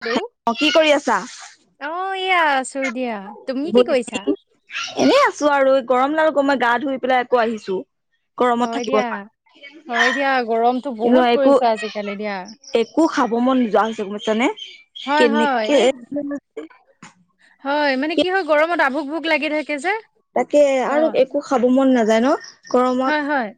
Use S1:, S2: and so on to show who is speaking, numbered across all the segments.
S1: Hello
S2: অ কি কৰি আছা?
S1: এইয়া আছো দিয়া তুমি কি
S2: গ
S1: কৰিছা
S2: এনেই আছো আৰু এই গৰম লাৰ গমই গা ধুই পেলাই আকৌ আহিছো গৰমত
S1: হয়
S2: থাকিব
S1: দিয়া
S2: নোৱাৰো
S1: হয় দিয়া গৰমতো বহুত
S2: একো
S1: পৰিছে আজিকালি দিয়া
S2: একো খাব মন নোযোৱা হৈছে গম পাইছ নে
S1: হয় হয়
S2: কেনেকে
S1: এই হয় মানে কি হয় গৰমত আভোক ভোক লাগি থাকে যে
S2: তাকে আৰু
S1: হয়
S2: একো খাব মন নাযায় ন
S1: হয় হয়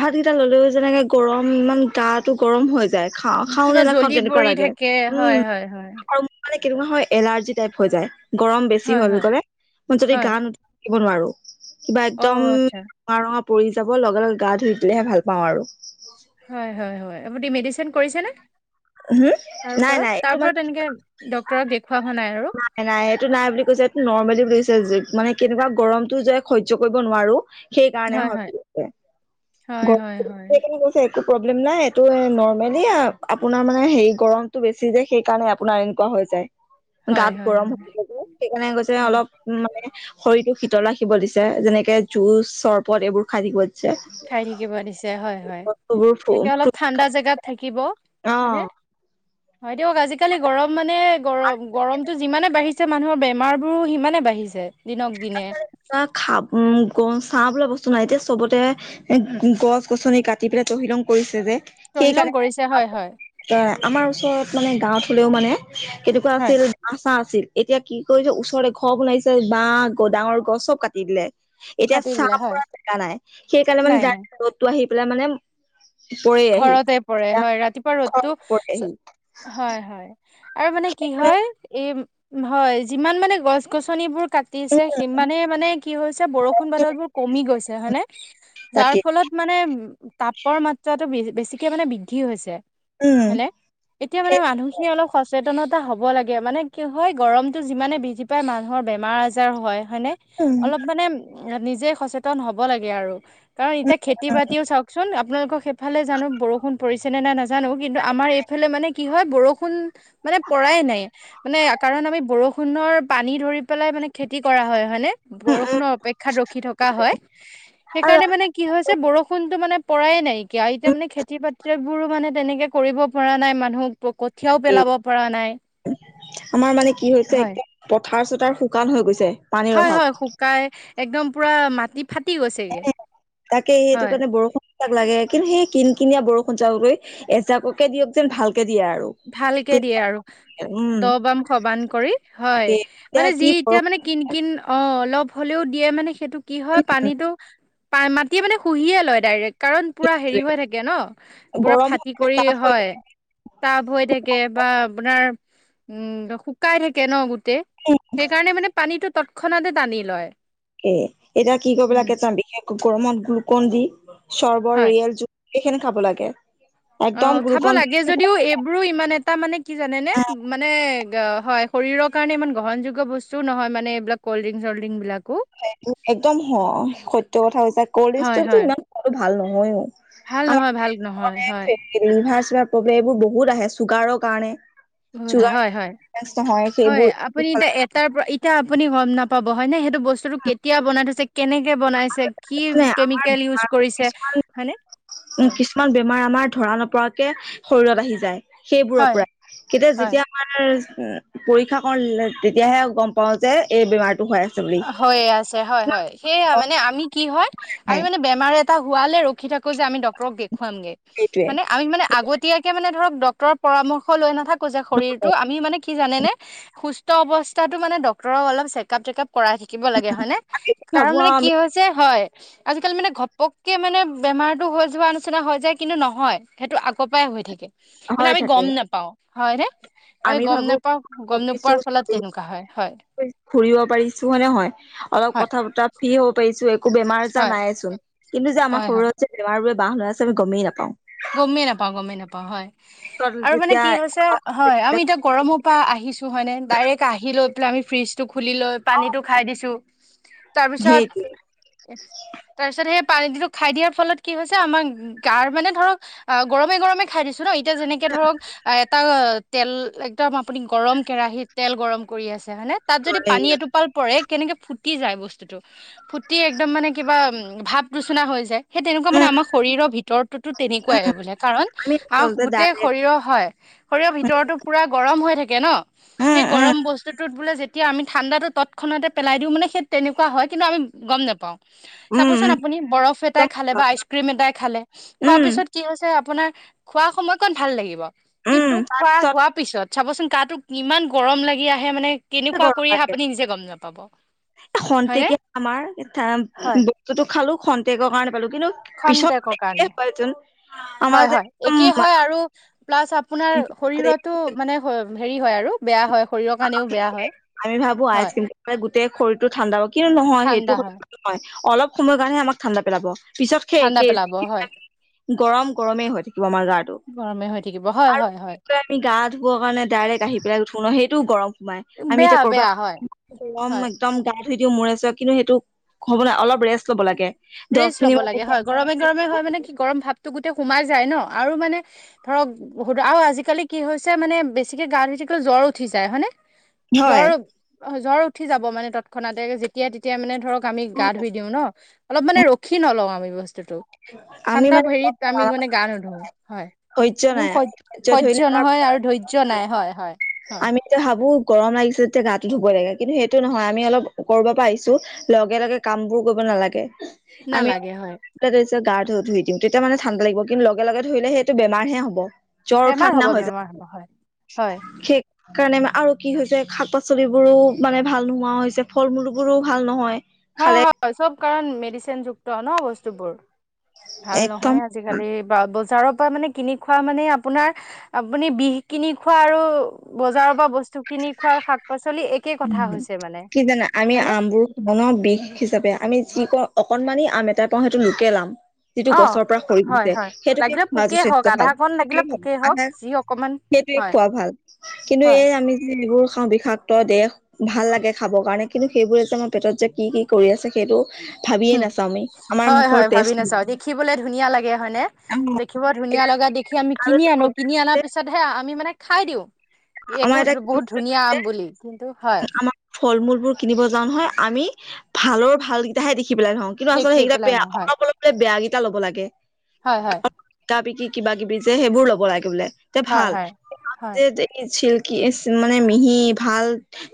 S2: ভাত কেইটা ললেও যেনেকে গৰম ইমান গাটো গৰম হৈ যায় খাওঁ খাও
S1: কিবা
S2: নে
S1: জ্বলি
S2: নাখাও তেনেকুৱা
S1: পৰি
S2: লাগে
S1: থাকে হয় হয় হয়
S2: উম আৰু ম ম কেনেকুৱা হয় এলাৰ্জি টাইপ হৈ যায় গৰম বেছি
S1: হয়
S2: হল
S1: হয়
S2: গলে মই যদি
S1: হয়
S2: গা নোধোৱাকৈ থাকিব নোৱাৰো কিবা
S1: অ
S2: একদম
S1: আচ্ছা
S2: ৰঙা ৰঙা পৰি যাব লগে লগে গা ধুই দিলেহে ভাল পাওঁ আৰু
S1: হয় হয় হয় আপুনি মেডিচিন কৰিছে ন
S2: হম নাই নাই এইটো মানে
S1: এনেকে ডক্তৰক দেখুওৱা হোৱা নাই আৰু
S2: নাই নাই এইটো নাই বুলি নৰ্মেলি বুলিছে যে মানে কেনেকা গৰমটো যে সহ্য কৰিব নোৱাৰো সেইকাৰণে হয়
S1: হয়
S2: গৈ
S1: হয় হয়
S2: একো প্ৰব্লেম নাই এইটো নৰ্মেলি আপোনাৰ মানে হেৰি গৰমটো বেছি যে সেইকাৰণে আপোনাৰ এনেকুৱা হৈ যায়
S1: হয়
S2: গাত
S1: হয়
S2: গৰম
S1: হয় হয়
S2: হে সেইকাৰণে কৈছে অলপ মানে শৰীৰটো শীতল ৰাখিব দিছে যেনেকে জুজ চৰবত এইবোৰ খাই থাকিব দিছে
S1: খাই থাকিব দিছে হয় হয়
S2: বস্তুবোৰ
S1: তাকে
S2: ফ্ৰু-
S1: অলপ
S2: ফ্ৰুট
S1: ঠাণ্ডা
S2: খাব
S1: জেগাত থাকিব।
S2: অ
S1: হয়নে হয় দিয়ক আজিকালি গৰম মানে গৰম গৰমটো যিমানে বাঢ়িছে। ছে মানুহৰ বেমাৰবোৰো সিমানে বাঢ়িছে দিনক দিনে
S2: খ চাহ বোলা বস্তু নাই এতিয়া চবতে এ গছ গছনি কাটি পেলাই তহিলং কৰিছে যে
S1: তহিলং
S2: সেইকাৰণে
S1: কৰিছে হয় হয়
S2: আমাৰ ওচৰত মানে গাঁৱত হলেও মানে কেনেকুৱা
S1: হয়
S2: আছিল বাঁহ, চাহ আছিল এতিয়া কি কৰিছে ওচৰৰে ঘৰ বনাইছে বাঘ গদাঙৰ গছক কাটি দিলে এতিয়া
S1: কাটি
S2: চাহ
S1: দিলে হয়
S2: পৰা জেগা নাই সেইকাৰণে মানে
S1: নাই
S2: য
S1: নাই
S2: ৰ'দটো আহি পেলাই মানে পৰে আহি
S1: ঘৰতে পৰে হয় ৰাতিপুৱা ৰ'দটো
S2: পৰেহি
S1: হয় হয় আৰু মানে কি হয় এই হয় যিমান মানে গছ গছনিবোৰ কাটিছে সিমানে মানে কি হৈছে বৰষুণ বাদল বোৰ কমি গৈছে হয়নে যাৰ
S2: তাকে
S1: ফলত মানে উ তাপৰ মাত্ৰ বেছিকে মানে বৃদ্ধি হৈছে
S2: উম
S1: হয়নে এতিয়া মানে
S2: সেই
S1: মানুহখিনি অলপ সচেতনত এটা হ'ব লাগে মানে কি হয় গৰমটো যিমানে বৃদ্ধি পায় মানুহৰ বেমাৰ আজাৰ হয় হয়নে
S2: উম
S1: অলপ মানে নিজে সচেতন হব লাগে আৰু কাৰণ এতিয়া খেতি বাতিও চাওকচোন আপোনালোকৰ ইফালে জানো বৰষুণ পৰিছে নে নে নাজানো কিন্তু আমাৰ এইফালে মানে কি হয় বৰষুণ মানে পৰাই নাই মানে কাৰণ আমি বৰষুণৰ পানী ধৰি পেলাই মানে খেতি কৰা হয়নে
S2: উম উম
S1: বৰষুণৰ অপেক্ষাত ৰখি থকা হয় সেইকাৰণে মানে কি হৈছে বৰষুণটো মানে পৰাই নাইকিয়া আৰু এতিয়া মানে খেতি বাতিবোৰো মানে তেনেকে কৰিব পৰা নাই মানুহ কঠীয়াও
S2: আৰু
S1: পেলাব পৰা নাই হয়
S2: থাৰ চোতাল শুকান হৈ গৈছে পানীৰ
S1: হয়
S2: অভাৱ
S1: হয় শুকাই একদম পুৰা মাটি ফাটি গৈছেগে
S2: এ তাকে সেইটো
S1: হয়
S2: কাৰণে বৰষুণ লাগে কিন্তু সেই কিন কিনিয়া বৰষুণ জাকতকৈ এজাককে দিয়ক যেন ভাল
S1: ভালকে দিয়ে আৰু
S2: উম
S1: দ বাম খবান কৰি হয়
S2: তাকে এতিয়া
S1: মানে যি
S2: কি
S1: এতিয়া
S2: বৰষুণ
S1: মানে কিন কিন অ অলপ হ'লেও দিয়ে মানে সেইটো কি হয় পানীতটো মাটিয়ে মানে শুহিয়ে লয় ডাইৰেক্ট কাৰণ পুৰা হেৰি হৈ থাকে ন পুৰা
S2: গৰম হৈ
S1: ফাটি
S2: থাকে
S1: কৰি
S2: তাপ হৈ
S1: হয়
S2: থাকে
S1: টাব হৈ থাকে বা আপোনাৰ উম শুকাই থাকে ন গোটেই সেইকাৰণে মানে পানীটো তৎক্ষণাতে টানি লয়
S2: এ এতিয়া কি কৰিব
S1: উম।
S2: লাগে বিশেষকৈ গৰমত গ্লুকন দি সৰ্বৰ
S1: হয়।
S2: ৰিয়েল জু এইখনি খাব লাগে
S1: অ
S2: একদম
S1: খাব
S2: গ্লুকন দি
S1: লাগে যদিও এইবোৰো ইমান এটা মানে কি জানেনে মানে হয় শৰীৰ কাৰণে ই গহণযোগ্য বস্তুও নহয় মানে এইবিলাক কলড্ৰিং চলড্ৰিং বিলাক
S2: একদম সত্য কথা কৈছা কল্ড
S1: হয়
S2: ডিংকটোতো
S1: হয়।
S2: ইমান ভাল নহয়ও
S1: ভাল নহয় ভাল নহয় হয়
S2: আমাৰ লিভাৰ চিভাৰ প্ৰব্লেমবোৰ বহুত আহে চুগাৰৰ কাৰণে
S1: বহুত
S2: চুগাৰ
S1: হয় হয়
S2: টেষ্ট নহয়
S1: হয়
S2: সেইবোৰ এইবোৰ
S1: আপুনি এতিয়া
S2: ফলত
S1: এটাৰ পৰা এতিয়া আপুনি গম নাপাব হয়নে সেইটো বস্তুটো কেতিয়া বনাই থৈছে কেনেকে বনাইছে কি
S2: মানে
S1: কেমিকেল ইউজ কৰিছে হয়নে
S2: উ
S1: হয়
S2: কিছুমান বেমাৰ আমাৰ ধৰা নপৰাকে শৰীৰত আহি যায় সেইবোৰৰ
S1: হয়
S2: পৰা কেতিয়া
S1: হয়।
S2: যেতিয়া আমাৰ পৰীক্ষা কৰ তেতিয়াহে গম পাও যে এই বেমাৰ
S1: হয়য়ে আছে হয় হয় সেয়া
S2: গম
S1: মানে আমি কি হয় আমি
S2: নাহে
S1: মানে বেমাৰ হোৱালে ৰখি থাকো যে আমি ডক্তৰক দেখুৱামগে
S2: সেইটোৱে
S1: হয়নে আমি মানে আগতয়াকে মানে ধৰক ডক্তৰৰ পৰামৰ্শ লৈ নাথাকো যে শৰীৰতো আমি মানে কি জানেনে সুস্থ সুস্থ অৱস্থাটো মানে ডক্তৰ অল চেকআপ তেকআপ কৰাই থাকিব লাগে হয় নে
S2: আমি
S1: কাৰণ
S2: ভাবো
S1: মানে
S2: আৰু
S1: কি
S2: আমি
S1: হৈছে হয় আজিকালি মানে ঘপক কে মানে বেমাৰতো হৈ যোৱা নিচিনা হৈ যায় কিন্তু নহয় সেইটো আগৰ পাই হৈ থাকে মানে
S2: হৈ
S1: আমি
S2: থাকে
S1: গম নাপাও হয়নে আমি গম নাপাও গম
S2: পাৰিছো
S1: নোপোৱাৰ ফলত তেনেকুৱা হয় হয়
S2: ফুৰিব পাৰিছো হয় নহয় অলপ
S1: হয়
S2: কথা বতৰা ফ্ৰী হ'ব পাৰিছো একো বেমাৰ আজাৰ
S1: হয়
S2: নাইয়ে চোন কিন্তু যে আমাৰ
S1: হয় হয়
S2: শৰীৰত যে বেমাৰবোৰে বাহ লৈ আছে আমি গমেই নাপাওঁ
S1: গমেই নাপাওঁ গমেই নাপাওঁ হয় আৰু মানে
S2: যেতিয়া
S1: কি হৈছে হয় আমি
S2: অলপ
S1: এতিয়া গৰমৰ পৰা আহিছো হয় নে ডাইৰেক্ট আহিলৈ আমি ফ্ৰিজ টো খুলি লৈ পানীটো খাই দিছো তাৰপিছত
S2: সেই কি
S1: তাৰপিছত সেই পানীটোক খাই দিয়াৰ ফলত কি হৈছে আমাৰ গাৰ মানে ধৰক অ গৰমে গৰমে খাই দিছো ন এতিয়া যেনেকে ধৰক এটা তেল একদম আপুনি গৰম কেৰাহিতত তেল গৰম কৰি আছে হয়নে তাত যদি
S2: কয়
S1: পানী এটোপাল পৰে কেনেকে ফুটি যায় বস্তুতটো ফুটি একদম মানে কিবা ভাৱ দুচুনা হৈ যায় সেই তেনেকুৱা মানে
S2: উম,
S1: আমাৰ শৰীৰৰ ভিতৰততো তেনেকুৱা
S2: উম।
S1: হৈ বোলে কাৰণ
S2: আমি
S1: আহ
S2: আচলতে
S1: গোটেই
S2: ডাইৰেক্ট
S1: শৰীৰ হয় শৰীৰ ভিতৰতো পুৰা গৰম। কম হৈ থাকে ন
S2: উম,
S1: সেই
S2: উম,
S1: গৰম বস্তুটোত বোলে যেতিয়া আমি ঠাণ্ডাটো তৎক্ষণতে পেলাই দিওঁ মানে সেই তেনেকুৱা হয় কিন্তু আমি গম নেপাওঁ।
S2: উম,
S1: চাবচোন
S2: উম।
S1: আপুনি বৰফ এটাই
S2: একদম
S1: খালে
S2: সঁচা।
S1: বা আইচক্ৰিম এটাই খালে খোৱাৰ
S2: উম,
S1: পিছত কি হৈছে আপোনাৰ খোৱা সময়কণ ভাল লাগিব
S2: উম।
S1: কিন্তু খোৱা
S2: তাৰপিছত
S1: হোৱাৰ পিছত- চাবচোন গাটো কিমান গৰম লাগি আহে মানে কেনেকুৱা কৰি আহে আপুনি নিজে গম নাপাব। হয়নে
S2: খন্তেকে আমাৰ
S1: হয়।
S2: বস্তুতটো খালোঁ খন্তেকৰ কাৰণে পালোঁ।
S1: খন্তেকৰ কাৰণে
S2: আমাৰ
S1: হয়
S2: যে
S1: হয়
S2: একদম
S1: একেই হয়
S2: আইচক্ৰীমটো
S1: আৰু পালাছ্ আপোনাৰ।
S2: খালে,
S1: শৰীৰতো মানে হেৰি হয় আৰু বেয়া হয়। শৰীৰৰ কাৰণেও বেয়া হয়
S2: আমি ভাবোঁ
S1: হয়
S2: আইচক্ৰীম গোটে শৰীৰটো ঠাণ্ডা হ'ব কিন্তু নহয় সেইটো
S1: ঠাণ্ডা হয়
S2: নহয় অলপ সময়ৰ কাৰণে আমাক ঠাণ্ডা পেলাব। পিছত সে
S1: ঠাণ্ডা
S2: একে
S1: পেলাব হয়
S2: গৰম গৰমেই হয় থাকে। আমাৰ গাটো
S1: গৰমে হৈ থাকিব হয়
S2: আৰু
S1: হয় হয়
S2: আমি গা ধুব কাৰণে ডাইৰেক্ট আহি পেলাই উঠো ন সেই তো গৰম সোমাই আমি
S1: বেয়া
S2: এতিয়া ক'ৰবাত
S1: বেয়া হয়
S2: গৰম
S1: হয়
S2: একদম ধুই দিওঁ মোৰে চুৰে কিন্তু সেইটো ঘৰত মানে অলপ ৰেষ্ট ল'ব লাগে। দহ
S1: ৰেষ্ট ল'ব লাগে হয় গৰমে
S2: মিনিট
S1: গৰমে হয় মানে কি গৰম ভাৱতটো গোটেই সোমাই‌ যায় যায় ন আৰু মানে ধৰক আৰু আজিকালি কি হৈছে মানে বেছিকে গা ধুই থাকিলে জ্বৰ উঠি যায় হয়নে জ্বৰ
S2: হয়
S1: জ্বৰ উঠি যাব মানে তৎক্ষণাতে যেতিয়া তেতিয়া মানে ধৰক আমি গা ধুই দিওঁ ন অলপ মানে ৰখি নলওঁ আমি বস্তু- বস্তুটো
S2: আমি
S1: ঠাণ্ডা
S2: মানে
S1: হেৰিত আমি মানে গা নোধোও হয়।
S2: ধৈৰ্য
S1: আমি
S2: নাই ধৈৰ্য ধৰিলে
S1: স্যয়
S2: আমাৰ
S1: নহয় আৰু ধৈৰ্য্য নাই হয় হয় হয়।
S2: আমি এতিয়া ভাবো গৰম লাগিছে যেতিয়া গাটো ধুবই লাগে কিন্তু সেইটো নহয় আমি অলপ ক'ৰবাৰ আহিছোঁ লগে লগে কাম বোৰ কৰিব পিনে নালাগে। আমি
S1: নালাগে হয়।
S2: গা ধুই দিম তেতিয়া মানে ঠাণ্ডা লাগিব কিন্তু লগে লগে ধুলে সেইটো বেমাৰহে হ'ব।
S1: বেমাৰ হ'ব বেমাৰ হ'ব হয়। হয়
S2: [unintelligible] কাৰণে আৰু কি হৈছে শাক পাচলিবোৰো মানে ভাল নোহোৱা হৈছে ফল মূল বোৰো ভাল নহয়।
S1: হয়
S2: খালে
S1: হয় চব কাৰণ মেডিচিনযুক্ত ন বস্তুবোৰ। ভাল
S2: একদম
S1: নহয় আজিকালি বা বজাৰত মানে কিনি খোৱা মানে আপোনাৰ আপুনি বিষ কিনি খোৱা আৰু বজাৰৰ পৰা বস্তু- কিনি খোৱা শাক পাচলি একেই কথা হৈছে মানে
S2: কি জানা আমি
S1: হয়নে
S2: আমবোৰ খাও বিষ হিচাপে আমি যি কওঁ অকনমানি আম এটা পাও সেইটো লুকেল আম। যিটো
S1: অ
S2: গছৰ পৰা সৰি
S1: হয়
S2: গৈছে
S1: হয়
S2: সেইটোকে
S1: লাগিলে
S2: খোৱা
S1: পোকেই
S2: যথেষ্ট
S1: হওক আধা
S2: ভাল
S1: কণ লাগিলে পোকেই হওক যি অকমান
S2: [unintelligible] সেইটোৱে
S1: হয়
S2: খোৱা ভাল কিন্তু
S1: হয়
S2: এই আমি যে- খাওঁ বিষাক্ত দেহ ভাল লাগে খাবৰ কাৰণে কিন্তু সেইবোৰে যে আমাৰ পেটত যে কি কি কৰি আছে সেইটো- ভাবিয়ে
S1: উম
S2: নাচাওঁ- আমি আমাৰ
S1: হয়
S2: মুখৰ
S1: হয় ভাবি
S2: টেষ্ট
S1: নাচাওঁ দেখিবলৈ ধুনীয়া লাগে হয়নে দেখিব ধুনীয়া লগা দেখি আমি কিন কিনি আনো কিন আনা পিছতহে আমি মানে- খাই দিওঁ একো
S2: আমাৰ এটা
S1: বহুত ধুনীয়া আম বুলি কিন্তু হয়।
S2: আমাৰ ফল মূল বোৰ কিনিব যাওঁ নহয় আমি ভালৰ ভালকেইটাহে দেখি দেখি পেলাই থওঁ কিন্তু আচলতে
S1: দেখি
S2: সেইকেইটা
S1: পেলাই
S2: বেয়া
S1: লওঁ হয়
S2: অলপ অলপলে বেয়া কেইটা ল'ব লাগে
S1: হয় হয়
S2: কিবা কিবি যে, সেইবোৰ ল'ব লাগে বোলে। তেওঁ
S1: হয়
S2: ভাল,
S1: হয় হয়
S2: যে চি কি মানে, মিহি ভাল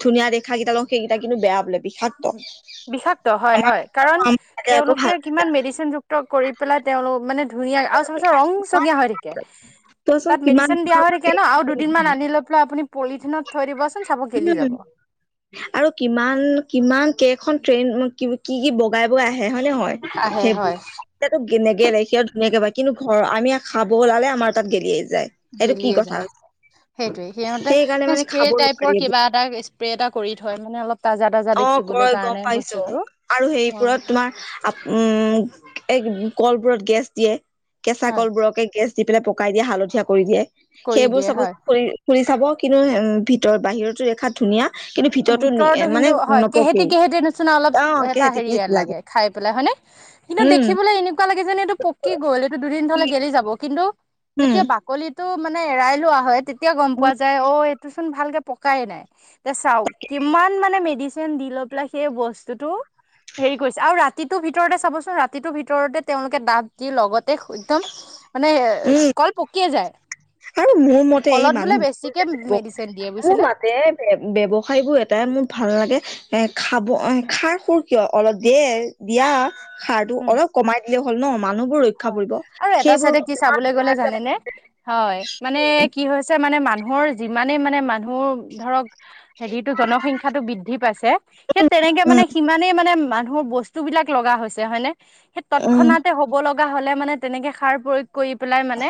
S2: ধুনীয়া দেখা কেইটা লওঁ। সেইকেইটা কিন্তু, বেয়া বোলে বিষাক্ত।
S1: বিষাক্ত হয়,
S2: আমাক
S1: হয়। কাৰণ,
S2: লাগে আকৌ
S1: তেওঁলোকে
S2: ভাল কেইটা।
S1: কিমান মেডিচিন যুক্ত কৰি পেলাই, তেওঁলোক মানে ধুনীয়া আৰু চাবাচোন ৰং
S2: কিমান
S1: চঙীয়া হৈ থাকে।
S2: চোৱাচোন
S1: তাত
S2: কিমান
S1: মেডিচিন দিয়া
S2: দিনৰ
S1: হৈ
S2: পৰা
S1: থাকে ন' আৰু দুদিনমান
S2: আহিছে।
S1: আনি লৈ পেলাই আপুনি পলিথিনত থৈ দিবচোন চাব গেলি
S2: উম
S1: যাব।
S2: আৰু কিমান কিমান কেইখন ট্ৰেইন কি, কি, বগাই, বগাই আহে। হে হয় নহয়?
S1: আহে হয়
S2: সেইটো নেগেলে, সি ধুনীয়াকে বা কিন্তু, ঘৰৰ আমি খাব ওলালে, আমাৰ তাত গেলিয়ে যায়। এইটো কি
S1: গেলিয়ে
S2: কথা?
S1: যায়। সেইটোৱে,
S2: সেইকাৰণে
S1: সিহঁতে
S2: মানে
S1: স্প্ৰে
S2: খাব নোৱাৰি
S1: টাইপৰ
S2: এইবোৰ।
S1: কিবা এটা স্প্ৰে এটা কৰি থয়। মানে, অলপ তাজা তাজা
S2: অ'!
S1: দেখিবলৈ
S2: কয় গম
S1: কাৰণে
S2: পাইছোঁ
S1: বস্তুটো
S2: আৰু
S1: হয়
S2: সেইবোৰত তোমাৰ আ, উম! এই, কলবোৰত গেছ দিয়ে। কেঁচা
S1: হয়
S2: কলবোৰকে গেছ দি পেলাই পকাই দিয়ে, হালধীয়া কৰি দিয়ে।
S1: কৰি
S2: সেইবোৰ
S1: দিয়ে
S2: চাব
S1: হয়
S2: ফু ফুৰি চাব। কিন্তু, ভিতৰত বাহিৰতো দেখাত ধুনীয়া। কিন্তু, ভিতৰতো মানে
S1: হয়, কেহেতি
S2: নপকেই
S1: কেহেতি নিচিনা অলপ,
S2: অ
S1: এটা
S2: কেহেতি
S1: হেৰি
S2: কেহেতি
S1: লাগে খাই পেলাই হয়নে? কিন্তু
S2: উম
S1: দেখিবলৈ এনেকুৱা লাগে যোন এইটো পকি গ'ল এইটো দুদিনলে গেলি যাব কিন্তু-
S2: উম
S1: যেতিয়া বাকলিটো মানে এৰাই লোৱা হয় তেতিয়া গম
S2: উম
S1: পোৱা যায় অ এইটো চোন ভালকে- পকাই নাই এ চাওক কিমান মানে মেডিচিন দি লৈ পেলাই সেই বস্তুতটো- হেৰি কৰিছে আৰু ৰাতিটোৰ ভিতৰতে চাবচোন ৰাতিটোৰ ভিতৰতে তেওঁলোকে দাঁত দি লগত- তে একদম মানে
S2: উম
S1: কল পকিয়ে যায়।
S2: আৰু মোৰ মতে, এই
S1: কলত বোলে
S2: মানুহবোৰ
S1: বেছিকে
S2: যে,
S1: মেডিচিন দিয়ে
S2: মোৰ
S1: বুজিছেনে
S2: মতে, ব্যৱসায়বোৰ এ তাই মোৰ ভাল লাগে। এ, খাব, খাৰ খুৰ কিয়! অলপ দে, দিয়া। সাৰটো,
S1: উম
S2: অলপ কমাই দিলে হ'ল ন' মানুহ
S1: হয় আৰু এটা চাইডে কি চাবলৈ
S2: বেমাৰ
S1: গলে
S2: আজাৰ
S1: জানেনে, হয়! মানে, কি হৈছে মানে, মানুহৰ যিমানে মানে, মানুহ মোৰ ধৰক হেৰিটো, জনসংখ্যয়াটো বৃদ্ধি পাইছে। সেই, তেনেকে মানে,
S2: উম
S1: সিমানেই মানে মা বস্তু বিলাক লগা হৈছে হয়নে? সেই
S2: উম
S1: তৎক্ষণাতে হ'ব লগা হ'লে মানে, তেনেকে সাৰ কৰি পেলাই মানে,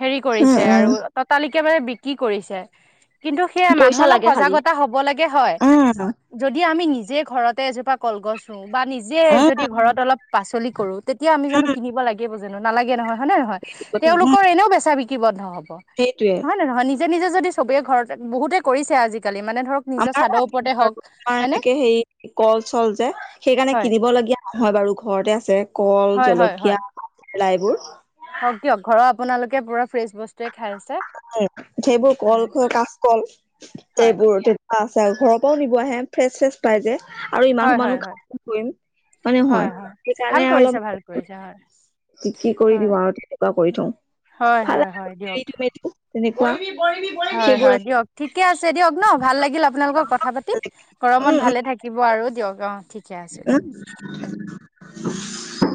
S1: হেৰি
S2: উম
S1: কৰিছে আৰু
S2: উম
S1: ততালিকে মানে বিক্ৰী কৰিছে। কিন্তু, সেয়া মানুহ
S2: পইচা
S1: অলপ
S2: লাগে খালি
S1: সজাগতা হ'ব লাগে হয়।
S2: উম
S1: যদি আমি নিজ যে ঘৰতে এজোপা কলগছ ৰোওঁ বা নিজে
S2: উম
S1: যদি ঘৰত অলপ পাচলি কৰোঁ। তেতিয়া আমি
S2: উম
S1: জানোঁ [unintelligible] নালাগে নহয়। হয় নে নহয়?
S2: উম
S1: তেওঁলোকৰ এনেও বেচা বিক্ৰী বন্ধ হ'ব।
S2: সেইটোয়ে
S1: হয় নে নহয়? নি নিজে নিজে যদি চবেই ঘৰতে, বহুতে কৰিছে আজি আজি কালি মানে ধৰক, নিজৰ
S2: আমাৰো
S1: চাদৰ
S2: আছে
S1: ওপৰতে হওঁক
S2: বাৰু আমাৰ
S1: হয়নে?
S2: এনেকে হেৰি কল চল যে সেইকাৰণে
S1: হয়
S2: কিনিব লগীয়া নহয় বাৰু। ঘৰতে আছে কল, জলকীয়া, লাইবোৰ।
S1: হওঁক দিয়ক। ঘৰৰ আপোনালোকে পুৰা ফ্ৰেছ বস্তুৱে খায় আছে।
S2: উম, সেইবোৰ কল,
S1: হয়
S2: কাচ কল,
S1: হয়।
S2: এইবোৰ তেতিয়া আচ্ছা, ঘৰ পৰাওঁ নিব আহে, ফ্ৰেছ চ্ৰেছ পাই যে। আৰু ইমান
S1: হয় হয়
S2: সমানো, [unintelligible] হয় নে
S1: হয়
S2: নহয়?
S1: হয় ভাল
S2: সেইকাৰণে
S1: কৰিছে ভাল
S2: অলপ
S1: কৰিছে হয়।
S2: কি কি কৰি
S1: হয়
S2: দিওঁ আৰু তেনেকুৱা কৰি থওঁ।
S1: হয়
S2: ভাল
S1: হয় হয়
S2: আৰু
S1: দিয়ক
S2: এৰি দিম তেনেকুৱা।
S1: হয়,
S2: সেইবোৰ
S1: হয়,
S2: আছে
S1: দিয়ক। ঠিকে আছে দিয়ক ন'! ভাল লাগিল আপোনালোকৰ কথা পাতি। গৰমত
S2: উম উম
S1: ভালে থাকিব। আৰু দিয়ক অ'! ঠিক
S2: [unintelligible]